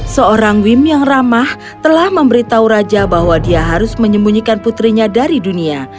seorang wim yang ramah telah memberitahu raja bahwa dia harus menyembunyikan putrinya dari dunia